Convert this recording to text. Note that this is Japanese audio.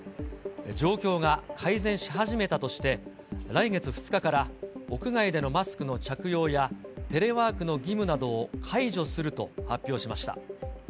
状況が改善し始めたとして、来月２日から、屋外でのマスクの着用や、テレワークの義務などを解除すると発表しました。